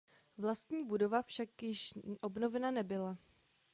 Vlastní budova však již obnovena nebyla.